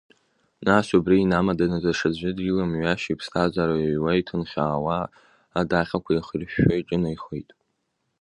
Нас убри инамаданы даҽаӡәы диламҩашьо иԥсҭазаара иаҩуа, ихҭынхьаауа адаҟьақәа еихиршәшәо иҿынаихоит.